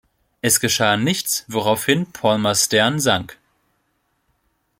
Es geschah nichts, woraufhin Palmers Stern sank.